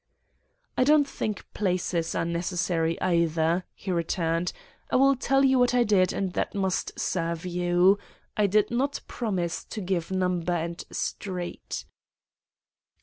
"'I don't think places are necessary either,' he returned. 'I will tell you what I did and that must serve you. I did not promise to give number and street.